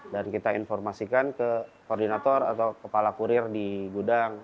dan kita informasikan ke koordinator atau kepala kurir di gudang